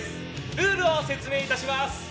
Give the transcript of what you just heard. ルールを説明致します。